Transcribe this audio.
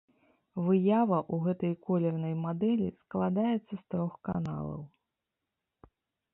Выява ў гэтай колернай мадэлі складаецца з трох каналаў.